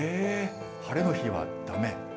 晴れの日はだめ。